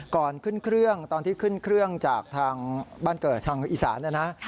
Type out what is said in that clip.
ก่อนขึ้นเครื่องตอนที่ขึ้นเครื่องจากทางบ้านเกิดทางอีสานนะนะ